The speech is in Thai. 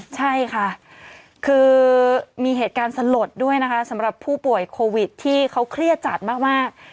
ใช่ค่ะคือมีเหตุการณ์สลดด้วยนะคะสำหรับผู้ป่วยโควิดที่เขาเครียดจัดมาก